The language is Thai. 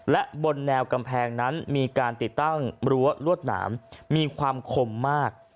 และบนแนวกำแพงนั้นมีการติดตั้งรั้วลวดหนามมีความคมมาก